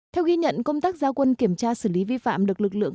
theo ghi nhận công tác gia quân kiểm tra xử lý vi phạm được lực lượng